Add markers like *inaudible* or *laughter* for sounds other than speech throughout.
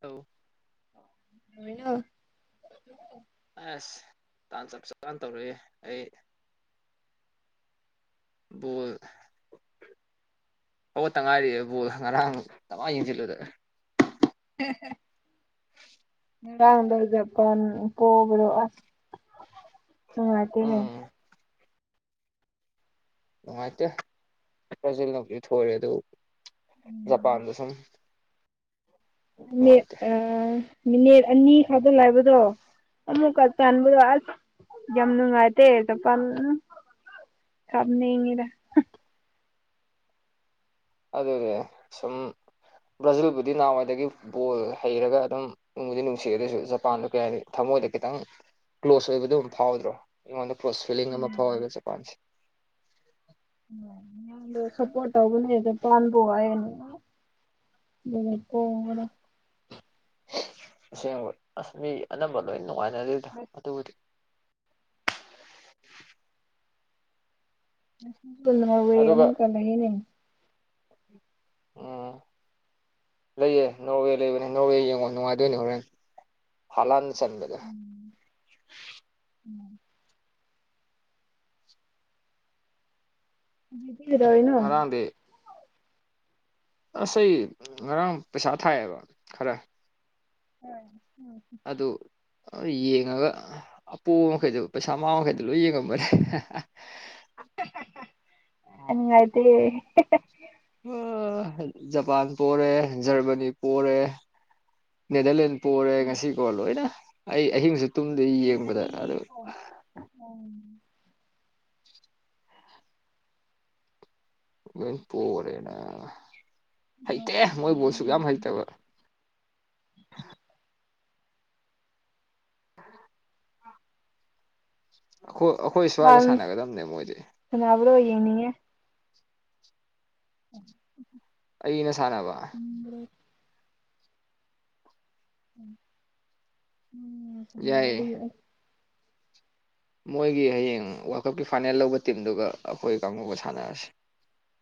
ꯍ ꯅ ꯑꯁ ꯇꯥꯟ ꯆꯞ ꯆꯞꯀꯥꯟ ꯇꯧꯔꯛꯏꯦ ꯑꯩ ꯕꯣꯜ ꯍꯧꯒꯠꯇ ꯉꯥꯏꯔꯤꯌꯦꯕꯣ ꯉꯔꯥꯡꯉꯥꯏ ꯌꯦꯡꯁꯤꯜꯂꯨꯗ ꯍ ꯉꯗꯔꯒꯝ ꯄꯕꯔꯣꯁ ꯑ ꯑꯗꯨꯗꯅꯦ ꯎꯝ ꯅꯨꯡꯉꯥꯏꯇꯦ ꯐꯖꯤꯂꯗꯤ ꯊꯣꯏꯔꯦ ꯑꯗꯨ ꯖꯄꯥꯟꯗ ꯁꯨꯝ ꯅꯨꯡꯉꯥꯏꯇꯦ ꯑ ꯃꯤꯅꯤꯠ ꯑꯅꯤ ꯈꯥꯗꯜꯂꯕꯗꯣ ꯑꯃꯨꯛꯀ ꯇꯥꯟꯕꯗꯣ ꯑꯁ ꯌꯥꯝꯝꯅꯨꯡꯉꯥꯏꯇ ꯆ ꯐ ꯈꯕꯉꯔ ꯑꯗꯗꯦ ꯁꯨꯝ ꯕ꯭ꯔꯥꯖꯤꯜꯕꯨꯗꯤ ꯅꯍꯥꯟꯋꯥꯏꯗꯒꯤ ꯕꯣꯜ ꯍꯩꯔꯒ ꯑꯗꯨꯝ ꯅꯨꯡꯗꯤ ꯅꯨꯡꯁꯤꯑꯗꯁꯨ ꯖꯄꯥꯟꯗ ꯀꯌꯥ ꯊꯝ ꯖ ꯀꯦꯇꯪ ꯀ꯭ꯂꯣꯁ ꯑꯣꯏꯕꯗ ꯑꯗꯨꯝ ꯐꯥꯎꯗ꯭ꯔꯣ ꯑꯩꯉꯣꯟꯗ ꯀ꯭ꯂꯣꯁ ꯐꯤꯂꯤꯡ ꯑꯃ ꯐꯥꯎꯋꯦꯕ ꯖꯄꯥꯟꯁꯦ ꯗ ꯁꯄꯣꯇꯕꯨꯅꯗ ꯄꯅ ꯄꯣꯅꯤ ꯗꯨꯨꯅꯦ ꯄꯣꯒꯔꯦ ꯑꯁꯦꯡꯕ ꯑꯁ ꯃꯤ ꯑꯅꯝꯕ ꯂꯣꯏ ꯅꯨꯡꯉꯥꯏꯅꯗꯦꯗ ꯑꯗꯨꯕꯨꯗꯤ ꯀꯨꯜ ꯍꯧꯏ ꯑꯗꯨꯒ ꯑꯃꯨꯛꯀ ꯂꯩꯌꯦꯅꯦ ꯑ ꯂꯩꯌꯦ ꯅꯣꯔꯋꯦ ꯂꯩꯕꯅꯦ ꯅꯣꯔꯋꯦ ꯌꯦꯡꯉꯣ ꯅꯨꯡꯉꯥꯏꯗꯣꯏꯅꯦ ꯍꯣꯔꯦꯟ ꯍꯥꯂꯥꯟ ꯆꯟꯕꯗ ꯍꯧꯖꯤꯛꯇꯤ ꯀꯩꯗꯧꯔꯤ ꯅꯣ ꯉꯔꯥꯡꯗꯤ ꯑꯁ ꯑꯩ ꯉꯔꯥꯡ ꯄꯩꯁꯥ ꯊꯥꯏꯑꯌꯦꯕ ꯈꯔ ꯎꯝ ꯎꯝ ꯑꯗꯨ ꯌꯦꯡꯉꯒ ꯑꯄꯣꯕ ꯃꯈꯩꯗ ꯄꯩꯁꯥ ꯃꯥꯥꯡ ꯃꯈꯩꯗ ꯂꯣꯏ ꯌꯦꯡꯉꯝꯕꯅꯦꯦ ꯅꯨꯡꯉꯥꯏꯇꯦ ꯖꯄꯥꯟ ꯄꯣꯔꯦ ꯖꯔꯃꯅꯤ ꯄꯣꯔꯦ ꯅꯦꯗꯔꯂꯦꯟ ꯄꯣꯔꯦ ꯉꯁꯤ ꯀꯣ ꯂꯣꯏꯅ ꯑꯩ ꯑꯍꯤꯡꯁꯨ ꯇꯨꯝꯗꯦ ꯌꯦꯡꯕꯗ ꯃꯥꯅꯤ ꯑꯗꯨ ꯀꯣ ꯎ ꯂꯣꯏ ꯄꯣꯔꯦꯅ ꯍꯩꯇꯦ ꯃꯣꯏꯕꯨꯣꯁꯨꯛ ꯌꯥꯝ ꯍꯩꯇꯕ *inaudible* ꯑꯈꯣꯏ ꯑꯈꯣꯏ ꯁ꯭ꯋꯥꯏꯒ ꯁꯥꯟꯅꯒꯝꯕꯅꯦ ꯃꯣꯏꯗꯤ ꯌꯦꯡꯅꯤꯉꯦ *inaudible* ꯑꯩꯅ ꯁꯥꯟꯅꯕ ꯎꯝ ꯌꯥꯏ ꯆꯨꯝꯒ꯭ꯔꯗꯤ ꯃꯣꯏꯒꯤ ꯍꯌꯦꯡ ꯋꯥꯜ ꯀꯞꯀꯤ ꯐꯥꯏꯅꯦꯜ ꯂꯧꯕ ꯇꯤꯝꯗꯨꯒ ꯑꯩꯈꯣꯏ ꯀꯥꯡꯒꯨ ꯁꯥꯟꯅꯔꯁꯤ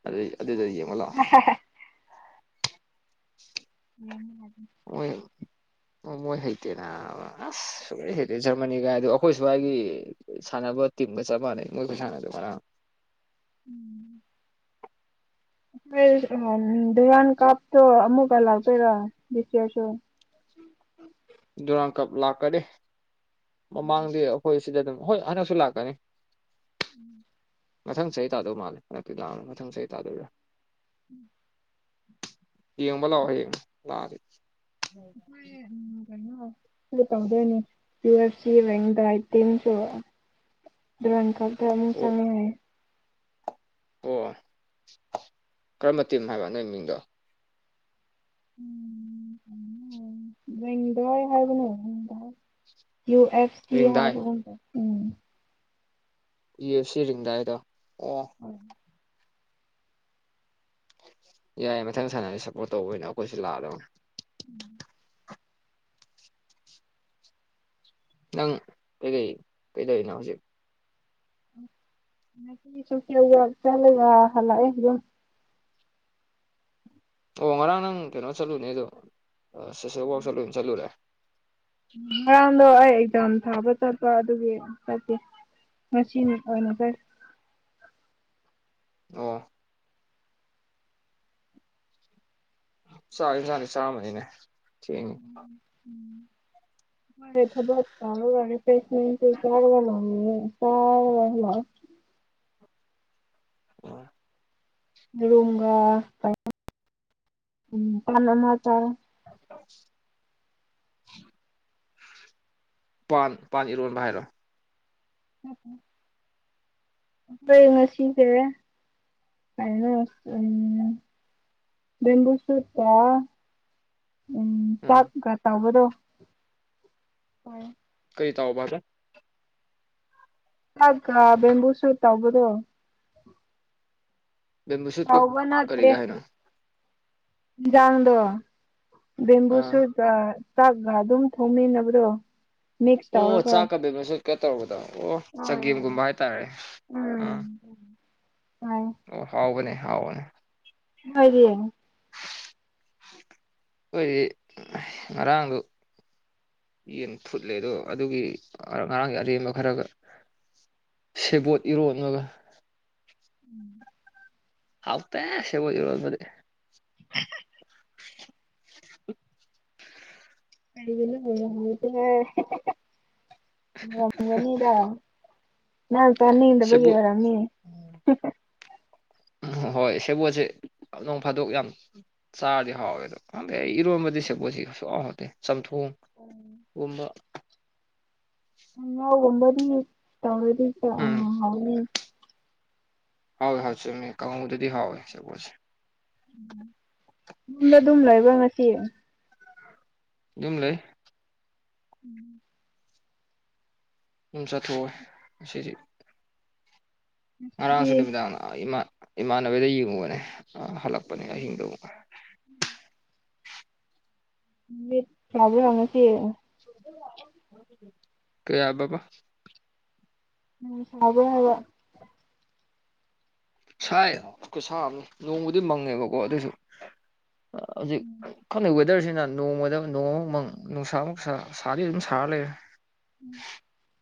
ꯑꯗ ꯑꯗꯨꯗ ꯌꯦꯡ ꯉꯣ *unintelligible* *unintelligible* ꯑꯣ ꯃꯣꯏ ꯍꯩꯇꯦ ꯅꯥꯕꯥ ꯑꯁ ꯁꯨꯛꯍꯩ ꯍꯩꯇꯦ ꯖꯔꯃꯅꯤꯒꯥꯏ ꯑꯗꯣ ꯑꯩꯈꯣꯏ ꯁꯋꯥꯏꯒꯤ ꯁꯥꯟꯅꯕ ꯇꯤꯝ ꯒꯥ ꯆꯞ ꯃꯥꯟꯅꯩ *unintelligible* ꯎꯝ *unintelligible* ꯌꯥꯟ ꯀꯥꯞꯇꯣ ꯑꯃꯨꯛꯀ ꯂꯥꯛꯇꯣꯏꯔ ꯗꯤꯁꯌꯥꯔꯁꯨ ꯗꯨꯔꯥꯟ ꯀꯞ ꯂꯥꯛꯀꯅꯤ ꯃꯃꯥꯡꯗꯤ ꯑꯩꯈꯣꯏ ꯁꯤꯗ ꯑꯗꯨꯝ ꯍꯣꯏ ꯍꯟꯗꯛꯁꯨ ꯂꯥꯛꯀꯅꯤ ꯎꯝ ꯃꯊꯪ ꯆꯍꯤ ꯇꯥꯗꯧ ꯃꯥꯜꯂꯦ ꯍꯟꯗꯛꯇꯤ ꯂꯥꯛꯑꯅꯤ ꯃꯊꯪ ꯆꯍꯤ ꯇꯥꯗꯣꯏꯔꯥ ꯎꯝ ꯌꯦꯡꯕ ꯂꯥꯛꯑꯣ ꯍ ꯌꯦꯡꯕ ꯂꯥꯛꯑꯗꯤ ꯍꯣꯏꯌꯦ ꯎꯝ ꯀꯩꯅꯣ ꯇꯧꯗꯦꯅꯦ ꯌꯨ ꯑꯦꯐ ꯁꯤ ꯔꯦꯡꯗꯇ ꯏꯤꯟꯁꯨꯣ ꯗꯨꯔꯟ ꯀꯞ ꯇ ꯑꯃꯨꯛ ꯑꯣ ꯆꯪꯉꯦ ꯑꯣ ꯀꯔꯝꯕ ꯇꯤꯝ ꯍꯥꯏꯕ ꯅꯣꯏ ꯃꯤꯡꯗꯣ *unintelligible* ꯍꯥꯏꯕꯅꯦ ꯌꯨ ꯑꯦꯁ ꯇꯤ ꯔꯤꯡꯗꯥꯏ ꯍꯥꯏꯕ ꯒꯨꯝ *unintelligible* ꯌꯥꯏ ꯃꯊꯪ ꯁꯥꯟꯅꯁ ꯁꯞꯄꯣꯔꯠ ꯇꯧꯕꯅ ꯑꯩꯈꯣꯏꯁꯨ ꯂꯥꯛꯗꯧꯅꯦ ꯎꯝ ꯅꯪ ꯀꯩꯀꯩ ꯀꯩꯗꯧꯔꯤꯅꯣ ꯍꯧꯖꯤꯛ ꯁꯨ ꯆꯠꯂꯒ ꯍꯜꯂꯛ ꯑꯗꯨꯝ ꯑꯣ ꯉꯔꯥꯡ ꯅꯪ ꯀꯩꯅꯣ ꯆꯠꯂꯨꯅꯦ ꯑꯗꯣ ꯁꯣꯁꯦꯜ ꯋꯥꯛ ꯆꯠꯂꯨ ꯆꯠꯂꯨꯔꯦ ꯉꯔꯥꯡꯗꯣ ꯑꯩ ꯑꯦꯛꯖꯥꯝ ꯊꯥꯕ ꯆꯠꯄ ꯑꯗꯨꯒꯤ ꯆꯠꯇꯦ ꯉꯁꯤꯅꯤ ꯑꯣꯏꯅ ꯀꯩ *inaudible* *unintelligible* ꯑꯣ ꯆꯔꯦ ꯆꯅ *inaudible* ꯆ ꯃꯅꯦ ꯊ ꯊꯕꯛꯥ ꯐꯦꯁ ꯆ ꯆ *inaudible* ꯑꯣ *inaudible* *inaudible* ꯄꯥꯟ ꯄꯥꯟ ꯏꯔꯣꯟꯕ ꯍꯥꯏꯔꯣ ꯃꯁꯤꯁꯦꯔꯦ ꯀꯅ ꯎꯝ ꯕꯨ ꯁꯠꯇ ꯎꯝ ꯎꯝ ꯆꯥꯛꯀ ꯇꯧꯕꯗꯣ ꯀꯩ ꯇꯣ ꯄꯔ ꯆꯥꯛꯀꯥ ꯕꯦꯝꯕꯨ ꯁꯨꯞꯀ ꯇꯧꯕꯗꯣ ꯕꯦꯝꯕꯨ ꯁꯨꯠꯀ ꯇꯧꯕ ꯅꯠꯇ꯭ꯔꯦ ꯀꯔꯤꯒ ꯍꯥꯏꯅꯣ ꯌꯥꯥꯡꯗꯣ ꯝꯕꯨ ꯑꯥ ꯁꯨꯔ *inaudible* ꯆꯥꯛꯒ ꯑꯗꯨꯝ ꯊꯣꯡꯃꯤꯟꯅꯕ꯭ꯔꯣ ꯑꯣ ꯆꯥꯛꯀ ꯕꯦꯝꯕꯨꯁꯨꯛꯀ ꯁꯨꯠꯀ ꯇꯧꯕꯗꯣ ꯑꯣ ꯎꯝ ꯆꯒꯦꯝꯒꯨꯝꯕ ꯍꯥꯏꯇꯥꯔꯦ ꯑꯥ ꯎꯝ ꯍꯣꯏ ꯑꯣ ꯍꯥꯎꯕꯅꯦ ꯍꯥꯎꯕꯅꯦ ꯑꯣꯏꯣꯏꯗꯤ ꯑꯣꯏꯣꯏ ꯃꯔꯔꯒꯨ ꯌꯦꯟ ꯐꯨꯠꯂꯦ ꯑꯗꯣ ꯑꯗꯨꯒꯤ ꯉꯔꯥꯡꯒꯤ ꯑꯔꯦꯝꯕ ꯈꯔꯒ ꯁꯦꯕꯣꯠ ꯏꯔꯣꯂꯒ ꯎꯝ ꯍꯥꯥꯎꯇ ꯁꯦꯕ ꯔꯣꯖ *inaudible* *inaudible* ꯍꯥꯏꯒꯅ ꯍ ꯍꯅꯤꯗ ꯅꯅꯥ ꯀꯅꯗ ꯁꯦꯕꯣꯠ ꯒꯕꯔꯝꯅꯤ ꯎꯝ ꯍꯣꯏ ꯁꯦꯕꯣꯠꯁꯦ ꯅꯣꯡ ꯐꯥꯗꯣꯛ ꯌꯥꯝ ꯆꯥꯔꯗꯤ ꯍꯥꯎꯋꯦꯗ ꯏꯔꯣꯟꯕꯗꯤꯁꯦꯄꯣꯁꯤ ꯆꯊꯣꯛ ꯑꯣ ꯀꯨꯝꯕ ꯎ ꯋꯥꯝꯕꯗꯤ ꯇꯔꯤ ꯍꯥꯎꯣꯏ ꯍꯥꯎ ꯆꯃꯤ ꯀ ꯑꯗꯨꯗꯤ ꯍꯥꯎ ꯆꯀꯣꯦ ꯌꯨꯝꯗ ꯑꯗꯨꯝ ꯂꯩꯣꯏꯕ ꯉꯁꯤ ꯝ ꯂꯩ ꯎꯝ ꯨꯝ ꯆꯥꯊꯣꯛꯑꯦ ꯑꯁꯤꯗꯤ ꯉꯁꯤꯗꯤ ꯉꯔꯥꯡꯁꯨ ꯅꯨꯃꯤꯗꯥꯡ ꯏꯃꯥꯟꯕꯤꯗ ꯌꯦꯡꯉꯨꯕꯅꯦ ꯑ ꯍꯂꯛꯄꯅꯤ ꯍꯤꯡꯗꯎ ꯎ ꯐ꯭ꯔꯕ ꯍꯧꯪꯅꯁꯤ ꯀꯌꯥ ꯄꯕꯥ ꯎꯝ ꯐꯕꯕ ꯁꯥꯏ ꯁꯥꯕꯅꯤ ꯅꯣꯡꯃꯗꯤ ꯃꯪꯉꯦꯕꯀꯣ ꯑꯗꯨꯁꯨ ꯍꯧꯖꯤꯛꯅ ꯋꯦꯗꯔꯁꯤ ꯑꯗꯨꯅ ꯅꯣꯡꯃꯗ ꯅꯣꯡꯃꯨꯛ ꯃꯪ ꯅꯨꯡꯁꯥ ꯑꯃꯨꯛ ꯁꯥ ꯁꯥꯗꯤ ꯑꯗꯨꯝ ꯁꯥꯔ ꯂꯩꯔꯦ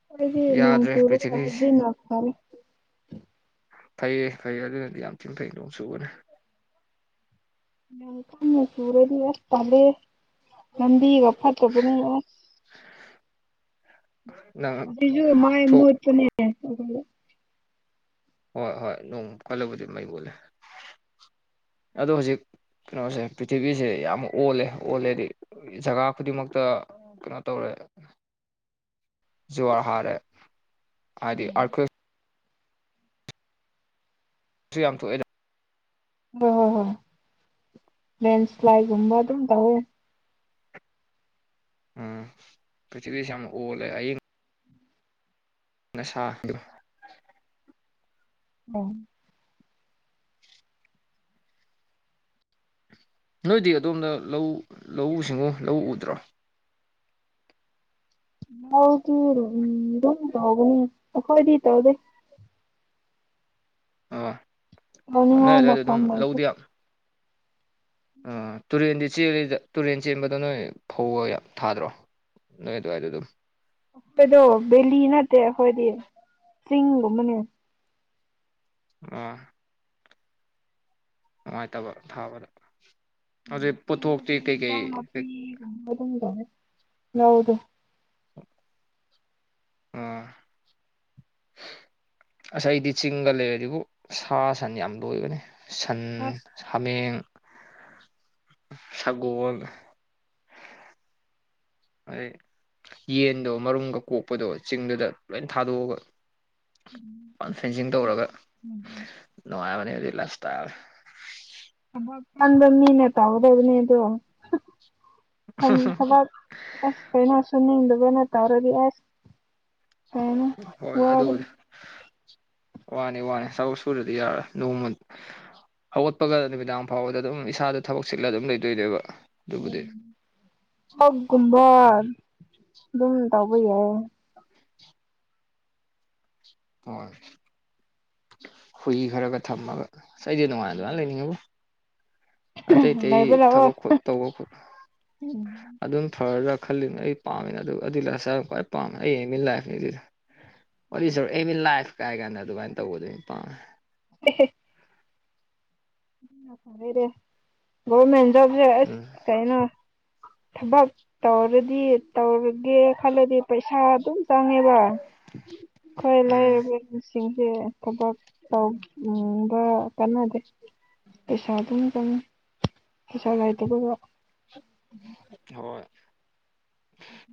ꯍꯥꯏꯗꯤ ꯅꯨ ꯌꯥꯗ꯭ꯔꯦ ꯇ ꯄ꯭ꯔꯤꯊꯤꯕꯤꯁꯦ ꯍꯤꯟ ꯂ ꯇꯔꯦ ꯐꯩꯌꯦ ꯐꯩꯌꯦ ꯑꯗꯨꯅꯗꯤ ꯌꯥꯝ ꯊꯤꯟ ꯊꯩꯗꯣꯡ ꯁꯨꯕꯅꯦ ꯃꯀꯅ ꯁꯨꯔꯦ ꯇꯦ ꯂꯕꯤꯒ ꯐꯠꯇꯕꯨꯅꯤꯑꯣ ꯅꯪ ꯖꯨ ꯃꯥꯥꯏ ꯊꯣꯛ ꯃꯄꯅꯦ ꯍꯣꯏ ꯍꯣꯏ ꯅꯣꯡ ꯀꯜꯂꯕꯨꯗꯤ ꯃꯩ ꯎꯨꯠꯂꯦ ꯑꯗꯣ ꯍꯧꯖꯤꯛ ꯀꯩꯅꯣꯁꯦ ꯄ꯭ꯔꯤꯊꯤꯕꯤꯁꯦ ꯌꯥꯝ ꯑꯣꯜꯂꯦ ꯑꯣꯜꯂꯦꯗꯤ ꯖꯒꯥ ꯈꯨꯗꯤꯡꯃꯛꯇ ꯀꯩꯅꯣ ꯇꯧꯔꯦ ꯋꯥ ꯍꯥꯥ ꯍꯥꯏꯗꯤ ꯑꯈ ꯌꯥꯝ ꯊꯣꯛꯑꯦ ꯍ ꯍꯣꯏ ꯍꯣꯏ ꯂꯁ꯭ꯂꯥꯏꯒꯕ ꯑꯗꯨꯝ ꯇ ꯍꯌꯦ ꯎꯝ ꯄꯊꯕꯤꯁ ꯑꯃ ꯑꯣꯂꯦ ꯑꯩ ꯑꯁ ꯎꯝ ꯅꯣꯏꯗꯤ ꯑꯗꯣꯝꯗ ꯂꯧ ꯂꯧꯎ ꯁꯤꯡꯎ ꯂꯧ ꯎꯗ꯭ꯔꯣ ꯍꯎ ꯑꯗꯨ ꯎꯝ ꯑꯗꯨ ꯍꯒꯈꯣꯏꯗꯤ ꯇꯧꯗꯦ ꯑ ꯅꯣꯏ ꯇꯧꯅꯤꯡꯉꯥꯏ ꯑꯗꯨꯏꯗ ꯑꯗꯨꯝ ꯃꯐꯝ ꯂꯩꯇꯦ ꯂꯧꯗꯤ ꯑ ꯇꯨꯔꯤꯦꯟꯗꯤ ꯏ ꯆꯦꯜꯂꯤꯗ ꯇꯨꯔꯦꯟ ꯆꯦꯟꯕꯗ ꯅꯣꯏ ꯐꯧꯔ ꯌꯥꯝ ꯊꯥꯗ꯭ꯔꯣ ꯅꯣꯏ ꯑꯗꯨꯋꯥꯏꯗ ꯑꯗꯨꯝ ꯑꯈꯣꯏꯗꯣ ꯕꯦꯂꯤ ꯅꯠꯇꯦ ꯑꯩꯈꯣꯏꯗꯤ ꯆꯤꯡꯒꯨꯝꯕꯅꯦ ꯑ ꯅꯨꯡꯉꯥꯏꯇꯕ ꯊꯥꯕꯗ ꯎ ꯑꯗꯨꯗꯩ ꯄꯣꯠꯊꯣꯛꯇꯤ ꯀꯩꯀꯩ ꯃꯤꯗꯥꯅ ꯐ ꯑꯗꯨꯗꯦ ꯌꯥꯎꯗ ꯎꯝ ꯉꯁꯥꯏꯗꯤ ꯆꯤꯡꯒ ꯂꯩꯔꯗꯤꯕꯨ ꯁꯥ ꯁꯟ ꯌꯥꯝ ꯂꯣꯏꯕꯅꯦ ꯁꯟ ꯑꯁ ꯁꯥꯃꯦꯡ ꯁꯒꯣꯜ ꯍꯥꯏꯩ ꯌꯦꯟꯗꯣ ꯃꯔꯨꯝꯒ ꯀꯣꯛꯄꯗꯣ ꯆꯤꯡꯗꯨꯗ ꯂꯣꯏ ꯊꯥꯗꯣꯛꯑꯒ ꯐꯦꯟꯁꯤꯡ ꯇꯧꯔꯒ ꯅꯨꯡꯉꯥꯏꯕꯅꯦꯕꯗꯤ ꯂꯥꯏꯞ ꯏꯁꯇꯥꯏꯜ ꯆꯗ ꯃꯤꯅꯦ ꯇꯧꯗ ꯑꯗꯨꯅꯤ ꯑꯗꯨ ꯊ ꯊꯕꯛ ꯑꯁ ꯀꯩꯅꯣꯁꯨꯅꯤꯡꯗꯕꯅ ꯇꯧꯔꯗꯤ ꯑꯁ ꯍꯥꯏꯅ ꯍꯣꯏ ꯋꯥꯗ ꯑꯗꯨꯕꯨꯗꯤ ꯋꯥꯅꯤ ꯋꯥꯅꯤ ꯁꯔ ꯁꯨꯔꯗꯤ ꯌꯥꯔꯣꯏ ꯅꯣꯡꯃ ꯍꯧꯒꯠꯄꯒ ꯅꯨꯃꯤꯗꯥꯡ ꯐꯥꯎꯕꯗ ꯑꯗꯨꯝ ꯏꯁꯥꯗ ꯊꯕꯛ ꯆꯤꯠꯂꯒ ꯑꯗꯨꯝ ꯂꯩꯗꯣꯏꯗꯣꯏꯕ ꯎꯝ ꯍꯧ ꯀꯨꯝꯕꯜ ꯑꯗꯨꯝ ꯇꯧꯕ ꯌꯥꯦ ꯍꯣꯏ ꯍꯨꯏ ꯈꯔꯒ ꯊꯝꯃꯒ ꯁꯩ ꯑꯗꯨ ꯃꯥꯉ ꯑꯗꯨ ꯃꯥ ꯂꯩꯅꯤꯡꯉꯕꯨ ꯑꯇꯩ ꯑꯇꯩ ꯂꯩꯕ ꯂꯥꯛꯑꯣ ꯊꯕꯛꯣ ꯇꯧꯕ ꯈꯣꯠꯄ ꯎꯝ ꯑꯗꯨꯝ ꯐꯔ ꯈꯜꯂꯤꯕꯅ ꯑꯩ ꯄꯥꯝꯃꯦꯅ ꯑꯗꯨ ꯑꯗꯨ ꯂꯁ ꯈ꯭ꯋꯥꯏ ꯄꯥꯝꯃꯦ ꯑꯩ ꯃꯤꯟ ꯂꯥꯏꯐꯅꯤ ꯑꯗꯨꯗꯤ ꯑꯣ ꯑ ꯏꯟ ꯂꯥꯏꯐ ꯀꯥꯏ ꯀꯥꯟꯗ ꯑꯗꯨꯃꯥꯏꯅ ꯇꯧꯕꯗꯩꯅ ꯄꯥꯝꯃꯦ ꯍ ꯂꯩꯔꯦ ꯒꯣꯔꯃꯦꯟ ꯖꯣꯕꯁꯦ ꯑꯁ ꯎꯝ ꯀꯩꯅꯣ ꯊꯕꯛ ꯇꯧꯔꯗꯤ ꯇꯧꯔꯒꯦ ꯈꯜꯂꯗꯤ ꯄꯩꯁꯥꯗꯨꯣ ꯆꯉꯦꯕ ꯀꯣꯏ ꯂꯩ ꯎꯝ ꯁꯤꯡꯁꯦ ꯊꯕꯛ ꯇꯧꯕ ꯀꯥꯟꯅꯗꯦ ꯄꯩꯁꯥ ꯑꯗꯨꯝ ꯀꯅꯤ ꯄꯩꯁꯥ ꯂꯥꯏꯇꯕ ꯍꯣꯏ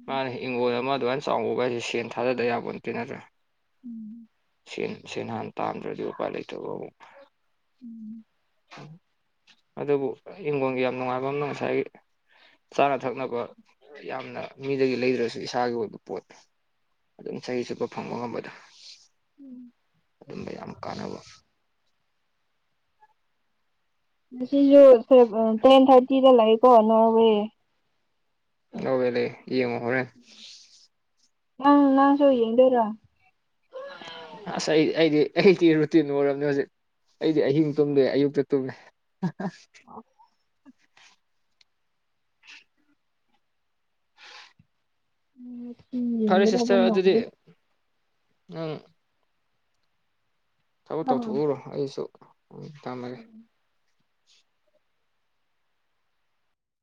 ꯃꯥꯅꯦ ꯏꯪꯒꯣꯜ ꯑꯃ ꯑꯗꯨꯥꯏꯅ ꯆꯥꯎꯕ ꯀ ꯍꯥꯏꯁꯦ ꯁꯦꯟ ꯊꯥꯗꯗꯕ ꯌꯥꯕ ꯅꯠꯇꯦ ꯅꯠꯇ꯭ꯔꯥ ꯎꯝ ꯁꯦꯟꯍꯥꯟ ꯇꯥꯝꯗ꯭ꯔꯗꯤ ꯎꯄꯥꯏ ꯂꯩꯇꯕ ꯑꯃꯨꯛ ꯎꯝ ꯑꯗꯨꯕꯨ ꯍꯤꯡꯈꯣꯟꯜꯒꯤ ꯌꯥꯝ ꯅꯨꯡꯉꯥꯏꯕ ꯑꯃꯅ ꯉꯁꯥꯏꯒꯤ ꯆꯥꯅ ꯊꯛꯅꯕ ꯌꯥꯝꯅ ꯃꯤꯗꯒꯤ ꯂꯩꯗ꯭ꯔꯁꯨ ꯏꯁꯥꯒꯤ ꯑꯣꯏꯕ ꯄꯣꯠ ꯑꯗꯨꯝ ꯆꯍꯤ ꯆꯨꯞꯄ ꯐꯪꯕ ꯉꯝꯕꯗꯣ ꯑꯗꯨꯝꯕ ꯌꯥꯝ ꯀꯥꯟꯅꯕ ꯉꯁꯨ ꯇꯦꯟ ꯊꯥꯔꯇꯤꯗ ꯂꯥꯛꯑꯦꯀꯣ ꯅꯣꯔꯋꯦ ꯑꯣꯕꯦ ꯂꯩ ꯏ ꯃ ꯍꯔꯦ ꯑꯪ ꯅꯪ ꯆꯏꯦꯗꯔ ꯑꯁ ꯑꯩꯗꯤ ꯑꯩꯗꯤ ꯑꯩꯗꯤ ꯔꯨꯇꯤꯟ ꯑꯣꯏꯔꯕꯅꯦ ꯍꯧꯖꯤꯛ ꯑꯩꯗꯤ ꯑꯍꯤꯡ ꯇꯨꯝꯗꯣꯏ ꯑꯌꯨꯛꯇ ꯇꯨꯝꯃꯦ ꯎꯝ ꯐꯔꯦ ꯌꯦꯡꯒꯗꯕ ꯁꯤꯁꯇꯔ ꯑꯗꯨꯗꯤ ꯃꯥꯟꯗꯦ ꯑꯪ ꯊꯕꯛ ꯑꯥ ꯇꯧꯊꯣꯛꯎꯔꯣ ꯑꯩꯁꯨ ꯎꯝ ꯊꯃꯒꯦ